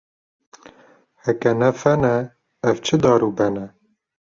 Heke ne fen e, ev çi dar û ben e.